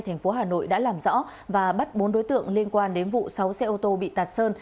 thành phố hà nội đã làm rõ và bắt bốn đối tượng liên quan đến vụ sáu xe ô tô bị tạt sơn